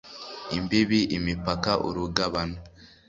imbibi imipaka, urugabano